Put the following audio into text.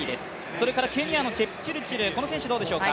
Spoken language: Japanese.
それからケニアのチェプチルチル、この選手どうでしょうか。